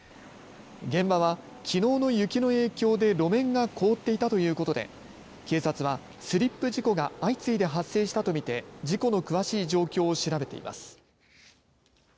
現場はきのうの雪の影響で路面が凍っていたということで警察はスリップ事故が相次いで発生したと見て事故の詳しい状況を調べています。